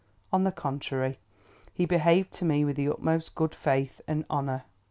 On the contrary, he behaved to me with the utmost good faith and honour.